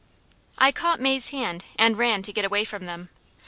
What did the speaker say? I caught May's hand, and ran to get away from them.